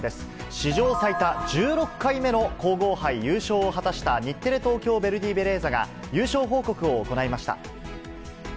史上最多１６回目の皇后杯優勝を果たした日テレ・東京ヴェルディベレーザが、優勝報告を行いました。